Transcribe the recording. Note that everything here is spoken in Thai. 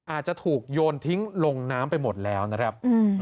อาจจะถูกโยนทิ้งลงน้ำไปหมดแล้วนะครับ